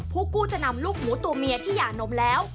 ผู้กู้จะนำลูกหมูตัวเมียที่หย่านมแล้ว